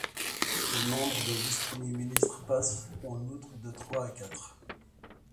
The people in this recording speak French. Le nombre de vice-Premiers ministres passe, en outre, de trois à quatre.